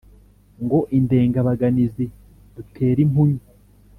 Ngo Indengabaganizi dutere impunyu